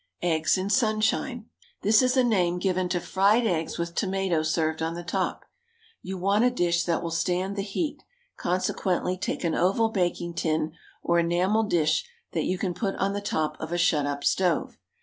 EGGS IN SUNSHINE. This is a name given to fried eggs with tomato served on the top. You want a dish that will stand the heat; consequently, take an oval baking tin, or enamelled dish that you can put on the top of a shut up stove.